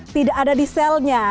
tidak ada di selnya